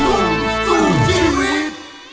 ลูกหลุมสู่ชีวิต